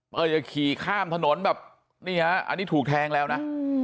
อย่าขี่ข้ามถนนแบบนี่ฮะอันนี้ถูกแทงแล้วนะ